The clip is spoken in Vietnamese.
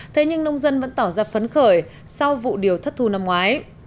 thế nhưng nông dân vẫn tỏ ra phấn khởi sau vụ điều thất thu năm ngoái